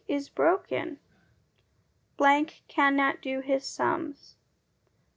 is broken. cannot do his sums.